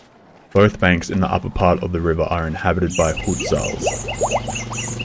Both banks in the upper part of the river are inhabited by Hutsuls.